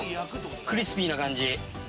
クリスピーな感じ。